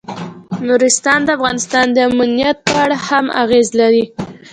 نورستان د افغانستان د امنیت په اړه هم اغېز لري.